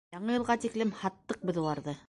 Яңы йылға тиклем һаттыҡ беҙ уларҙы!